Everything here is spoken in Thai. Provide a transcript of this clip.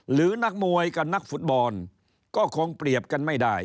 นักมวยกับนักฟุตบอลก็คงเปรียบกันไม่ได้